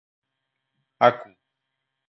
aqu